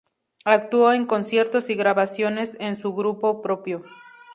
Actuó en conciertos y grabaciones con su grupo propio.